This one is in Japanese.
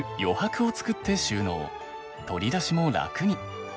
取り出しも楽に。